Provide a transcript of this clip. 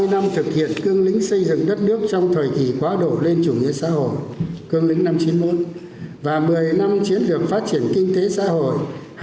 ba mươi năm thực hiện cương lính xây dựng đất nước trong thời kỳ quá đổ lên chủ nghĩa xã hội và một mươi năm chiến lược phát triển kinh tế xã hội